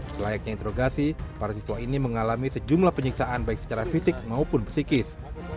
selayaknya interogasi para siswa ini mengalami sejumlah penyiksaan baik secara fisik maupun psikis